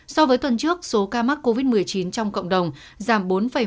so với tuần trước số ca mắc covid một mươi chín trong cộng đồng giảm bốn ba